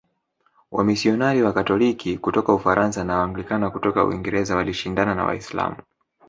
Wamisionari Wakatoliki kutoka Ufaransa na Waanglikana kutoka Uingereza walishindana na Waislamu